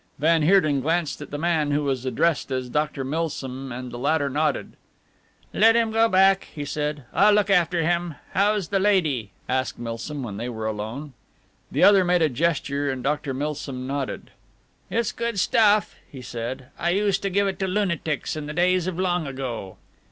Van Heerden glanced at the man who was addressed as Dr. Milsom and the latter nodded. "Let him go back," he said, "I'll look after him. How's the lady?" asked Milsom when they were alone. The other made a gesture and Dr. Milsom nodded. "It's good stuff," he said. "I used to give it to lunatics in the days of long ago."